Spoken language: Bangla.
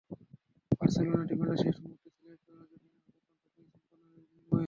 বার্সেলোনা ডিফেন্ডার শেষ মুহূর্তে স্লাইড করে আর্জেন্টিনার পতন ঠেকিয়েছেন কর্নারের বিনিময়ে।